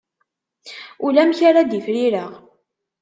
Ulamek ara d-ifrireɣ.